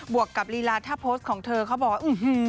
บวกกับหลีระท่าโพสต์ของเธอเขาบอกว่า